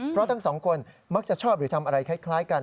เพราะทั้งสองคนมักจะชอบหรือทำอะไรคล้ายกัน